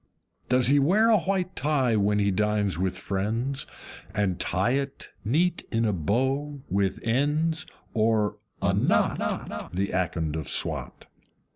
Does he wear a white tie when he dines with friends, And tie it neat in a bow with ends, or a KNOT, The Akond of Swat?